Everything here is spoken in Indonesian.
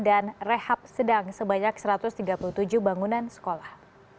dan rehab sedang sebanyak satu ratus tiga puluh tujuh bangunan sekolah